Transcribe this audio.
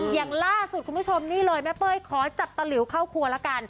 อย่างล่าสุดคุณผู้ชมนี่เลยแม่เป้ยขอจับตะหลิวเข้าครัวละกัน